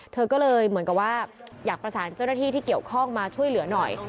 เธอก็เลยเหมือนกับว่าอยากประสานเจ้าหน้าที่ที่เกี่ยวข้องมาช่วยเหลือหน่อย